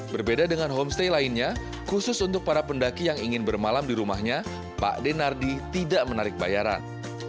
berbeda dengan homestay lainnya khusus untuk para pendaki yang ingin bermalam di rumahnya pak denardi tidak menarik bayaran